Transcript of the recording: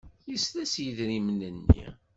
Yesla s yidrimen-nni.